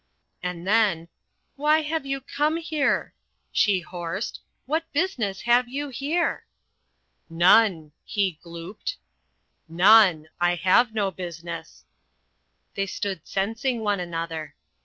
And then, "Why have you come here?" she hoarsed. "What business have you here?" "None," he glooped, "none. I have no business." They stood sensing one another.